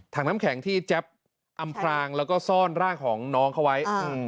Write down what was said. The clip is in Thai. น้ำแข็งที่แจ๊บอำพรางแล้วก็ซ่อนร่างของน้องเขาไว้